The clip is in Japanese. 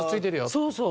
そうそう。